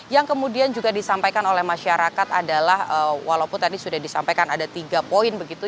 yang kemudian juga disampaikan oleh masyarakat adalah walaupun tadi sudah disampaikan ada tiga poin begitu